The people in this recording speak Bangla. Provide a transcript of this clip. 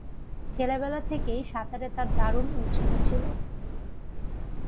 ছেলেবেলা থেকেই সাঁতারে তার দারুণ উৎসাহ ছিল।